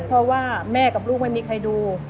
เพราะว่าแม่กับลูกไม่มีใครดู